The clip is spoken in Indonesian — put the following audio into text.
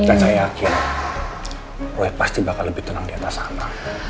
dan saya yakin roy pasti bakal lebih tenang diatas sana